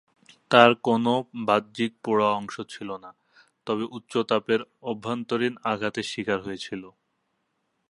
তার কোনও বাহ্যিক পোড়া অংশ ছিল না, তবে উচ্চ তাপের অভ্যন্তরীণ আঘাতের শিকার হয়েছিল।